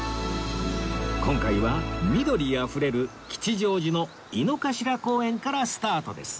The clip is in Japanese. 今回は緑あふれる吉祥寺の井の頭公園からスタートです